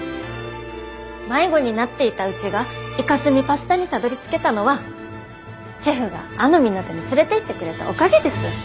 迷子になっていたうちがイカスミパスタにたどりつけたのはシェフがあの港に連れていってくれたおかげです！